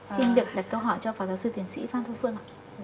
xin được đặt câu hỏi cho phó giáo sư tiến sĩ phan thu phương ạ